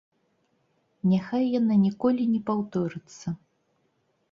Няхай яна ніколі не паўторыцца!